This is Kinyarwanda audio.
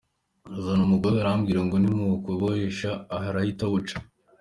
Azana umugozi, arambwira ngo ninywumubohesha arahita awuca.